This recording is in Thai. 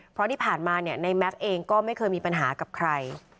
เพราะที่ผ่านมาเนี่ยในแม็กซ์เองก็ไม่เคยมีปัญหากับใคร